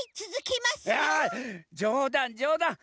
いやじょうだんじょうだん！